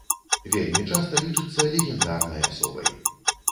Вельмі часта лічыцца легендарнай асобай.